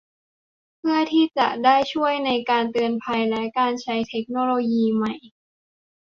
เพื่อที่จะได้ช่วยในการเตือนภัยและการใช้เทคโนโลยีใหม่